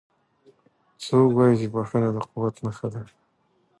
څوک وایي چې بښنه د قوت نښه ده